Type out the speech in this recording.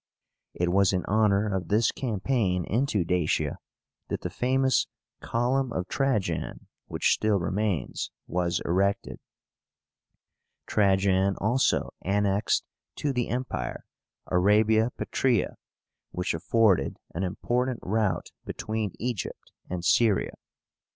It was in honor of this campaign into Dacia that the famous COLUMN OF TRAJAN, which still remains, was erected. Trajan also annexed to the Empire Arabia Petraea, which afforded an important route between Egypt and Syria.